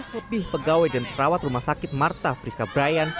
seratus lebih pegawai dan perawat rumah sakit marta friska brian